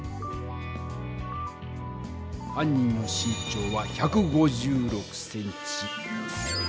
犯人の身長は１５６ｃｍ。